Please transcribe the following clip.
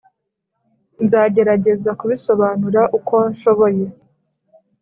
nzagerageza kubisobanura uko nshoboye.